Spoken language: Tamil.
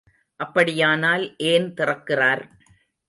அப்படியானால் ஏன் திறக்கிறார்?